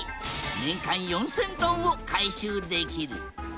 年間４，０００トンを回収できる。